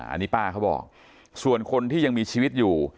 อันนี้ป้าเขาบอกส่วนคนที่ยังมีชีวิตอยู่